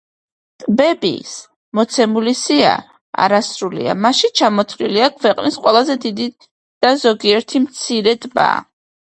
ტბების მოცემული სია არასრულია, მასში ჩამოთვლილია ქვეყნის ყველაზე დიდი და ზოგიერთი მცირე ტბა.